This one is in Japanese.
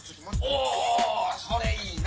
おぉそれいいな。